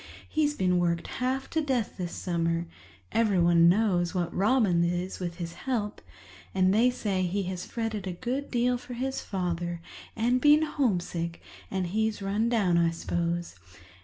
He's been worked half to death this summer—everyone knows what Robins is with his help—and they say he has fretted a good deal for his father and been homesick, and he's run down, I s'pose.